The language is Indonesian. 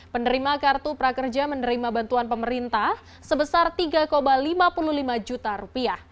penerima kartu prakerja menerima bantuan pemerintah sebesar rp tiga lima puluh lima juta